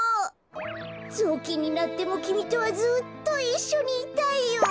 ぞうきんになってもきみとはずっといっしょにいたいよ。